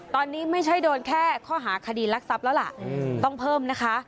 ตอนนี้ไม่ใช่โดนแค่ข้อหาคดีรักทรัพย์แล้วล่ะต้องเพิ่มนะคะ